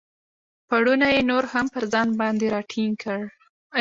پوړنی یې نور هم پر ځان باندې را ټینګ کړ.